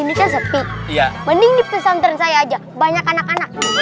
minyak per herkes antre saya aja banyak anak anak